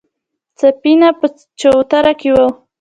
سفينه په چوتره کې وه.